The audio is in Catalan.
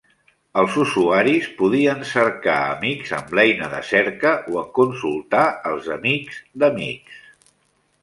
Els usuaris podien cercar amics amb l'eina de cerca o en consultar els amics d'amics.